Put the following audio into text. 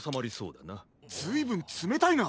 ずいぶんつめたいな。